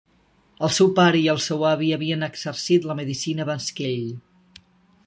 El seu pare i el seu avi havien exercit la medicina abans que ell.